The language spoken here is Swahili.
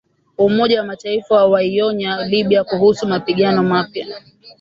Umoja wa Mataifa waionya Libya kuhusu mapigano mapya